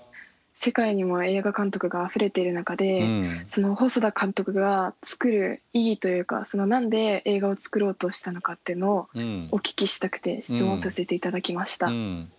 世界にも映画監督があふれている中で細田監督が作る意義というか何で映画を作ろうとしたのかっていうのをお聞きしたくて質問させて頂きました。